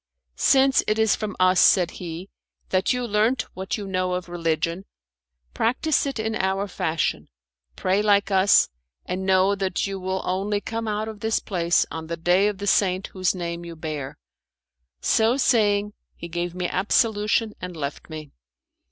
"Since it is from us," said he, "that you learnt what you know of religion, practise it in our fashion, pray like us, and know that you will only come out of this place on the day of the saint whose name you bear." So saying he gave me absolution, and left me.